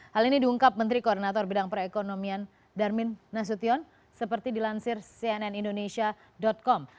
hal ini diungkap menteri koordinator bidang perekonomian darmin nasution seperti dilansir cnn indonesia com